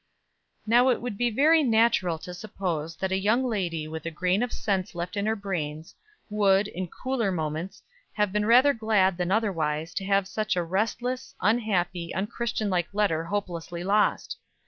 Now it would be very natural to suppose that a young lady with a grain of sense left in her brains, would, in cooler moments, have been rather glad than otherwise, to have such a restless, unhappy, unchristianlike letter hopelessly lost.